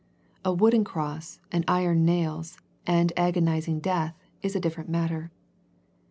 A wooden cross and iron nails and agonizing death is a different matter.